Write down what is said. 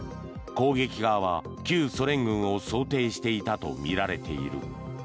攻撃側は旧ソ連軍を想定していたとみられている。